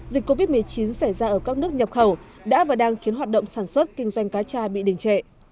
dịch covid một mươi chín xảy ra ở các nước nhập khẩu đã và đang khiến hoạt động sản xuất kinh doanh cá tra bị đình trệ